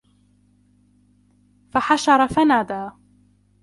فَحَشَرَ فَنَادَى